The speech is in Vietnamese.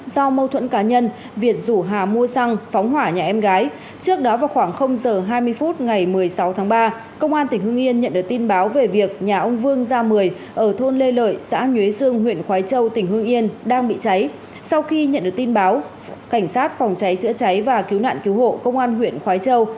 sau khi nhận được tin báo cảnh sát phòng cháy chữa cháy và cứu nạn cứu hộ công an huyện khoái châu